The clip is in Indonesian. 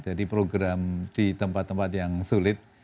jadi program di tempat tempat yang sulit